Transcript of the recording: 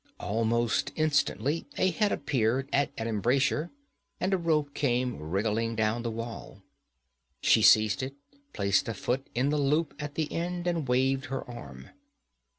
Almost instantly a head appeared at an embrasure and a rope came wriggling down the wall. She seized it, placed a foot in the loop at the end, and waved her arm.